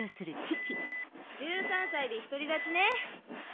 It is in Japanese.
１３歳で独り立ちね。